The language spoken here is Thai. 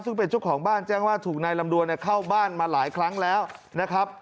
ซึ่งเป็นเจ้าของบ้านแจ้งว่าถูกนายลำดวนเข้าบ้านมาหลายครั้งแล้วนะครับ